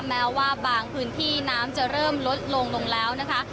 แม้ว่าบางพื้นที่น้ำจะเริ่มลดลงแล้วนะคะ